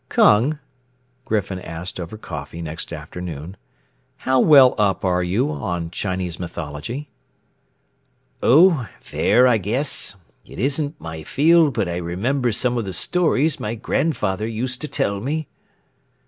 "Kung," Griffin asked over coffee next afternoon, "how well up are you on Chinese mythology?" "Oh, fair, I guess. It isn't my field but I remember some of the stories my grandfather used to tell me."